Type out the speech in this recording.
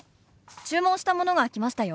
注文したものが来ましたよ。